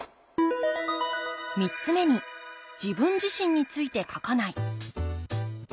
３つ目に「自分自身について書かない」。